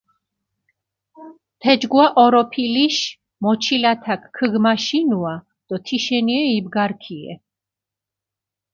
თეჯგუა ჸოროფილიშ მოჩილათაქ ქჷგმაშინუა დო თიშენიე იბგარქიე.